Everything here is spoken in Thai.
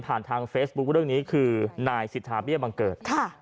ทางเฟซบุ๊คเรื่องนี้คือนายสิทธาเบี้ยบังเกิด